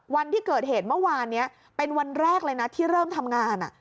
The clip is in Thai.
วันที่เกิดเหตุเมื่อวานนี้เป็นวันแรกเลยนะที่เริ่มทำงาน